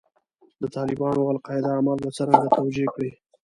د طالبانو او القاعده اعمال به څرنګه توجیه کړې.